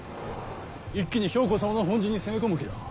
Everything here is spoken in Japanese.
一気に公様の本陣に攻め込む気だ。